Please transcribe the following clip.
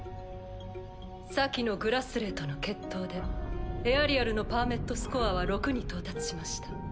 先のグラスレーとの決闘でエアリアルのパーメットスコアは６に到達しました。